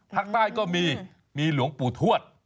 ภาคใต้ก็มีมีหลวงปู่ทวด